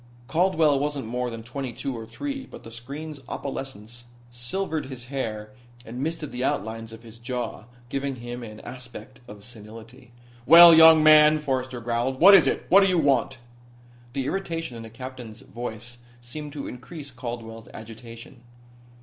Caldwell wasn't more than twenty two or three, but the screen's opalescence silvered his hair and misted the outlines of his jaw, giving him an aspect of senility. "Well, young man," Forrester growled. "What is it? What do you want?" The irritation in the captain's voice seemed to increase Caldwell's agitation.